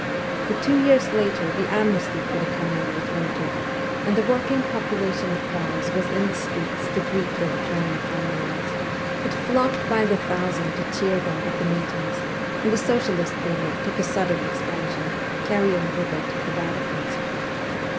But two years later the amnesty for the Commune was voted, and the working population of Paris was in the streets to greet the returning Communards ; it flocked by the thousand to cheer them at the meetings, and the socialist move ment took a sudden expansion, carrying with it the Radicals.